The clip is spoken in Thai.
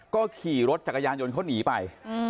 ก็ขี่รถจักรยานยนต์เขาหนีไป